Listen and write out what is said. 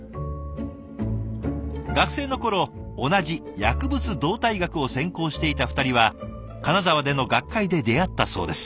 学生の頃同じ薬物動態学を専攻していた２人は金沢での学会で出会ったそうです。